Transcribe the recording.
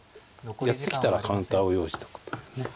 やってきたらカウンターを用意しとくというね。